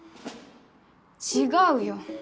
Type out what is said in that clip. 違うよ。